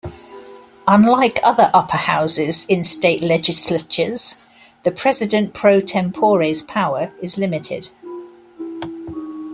Unlike other upper houses in state legislatures, the President Pro Tempore's power is limited.